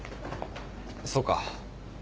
そうか。